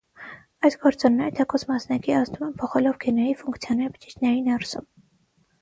Այս գործոնները, թեկուզ մասնակի, ազդում են՝ փոխելով գեների ֆունկցիաները բջիջների ներսում։